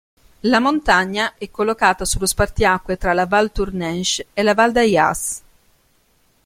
La montagna è collocata sullo spartiacque tra la Valtournenche e la Val d'Ayas.